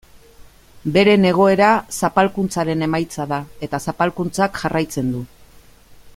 Beren egoera zapalkuntzaren emaitza da eta zapalkuntzak jarraitzen du.